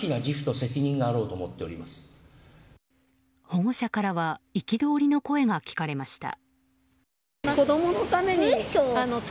保護者からは憤りの声が聞かれました。